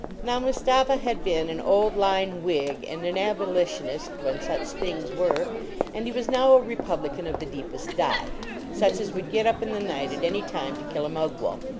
Now, Mustapha had been an old line Whig and an Abolitionist, when such things were, and he was now a Republican of the deepest dye, such as would get up in the night at any time to kill a Mugwump.